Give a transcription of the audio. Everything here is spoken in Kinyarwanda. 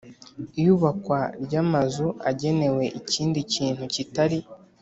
Iyubakwa ry amazu agenewe ikindi kintu kitari